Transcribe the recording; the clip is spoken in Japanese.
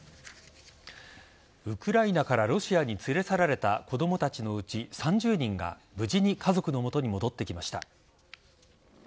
ウクライナからロシアに連れ去られた子供たちのうち３０人が無事に家族の元に戻ってきました。